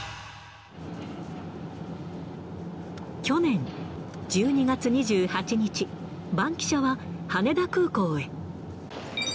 去年１２月２８日、バンキシャは、羽田空港へ。